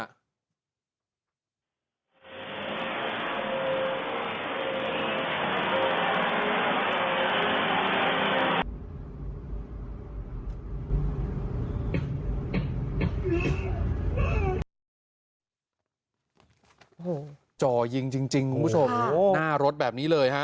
โอ้โหจ่อยิงจริงคุณผู้ชมหน้ารถแบบนี้เลยฮะ